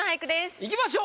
いきましょう。